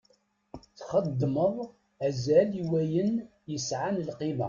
Txeddmeḍ azal i wayen yesɛan lqima.